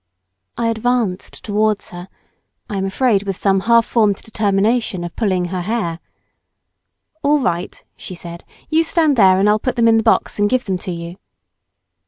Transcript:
I advanced towards her—I am afraid with some half formed determination of pulling her hair. "A11 right," she said, "you stand there and I'll put them in the box and give them to you."